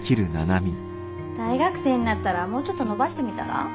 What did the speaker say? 大学生になったらもうちょっと伸ばしてみたら？